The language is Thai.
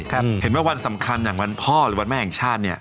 เห็นว่าวันสำคัญอย่างวันพ่อหรือวันแม่แห่งชาติเนี่ย